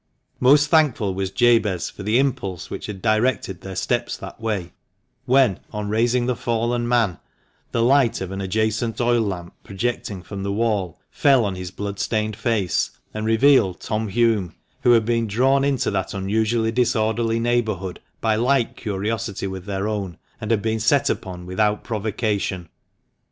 Most thankful was Jabez for the impulse which had directed their steps that way when, on raising the fallen man, the light of an adjacent oil lamp projecting from the wall fell on his blood stained face, and revealed Tom Hulme, who had been drawn into that unusually disorderly neighbourhood by like curiosity with their own, and had been set upon without provocation.